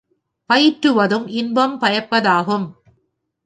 பயிற்றுவதும் இன்பம் பயப்பதாகும்.